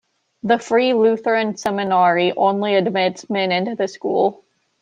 The Free Lutheran Seminary only admits men into the school.